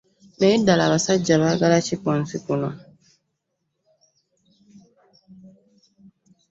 Naye ddala abasajja baagala ki ku nsi kuno?